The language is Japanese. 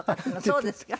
そうですか？